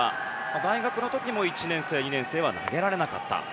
大学の時も１年生、２年生は投げられなかった。